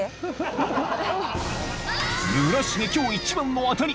［村重今日一番の当たり！